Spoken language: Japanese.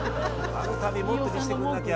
あの旅もっと見してくんなきゃ。